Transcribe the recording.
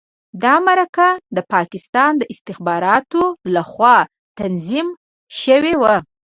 دا مرکه د پاکستان د استخباراتو لخوا تنظیم شوې وه.